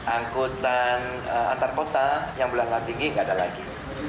angkutan antar kota yang bulanan tinggi nggak ada lagi